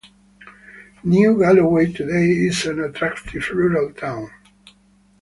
New Galloway today is an attractive rural town.